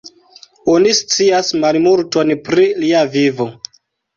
Oni scias malmulton pri lia vivo.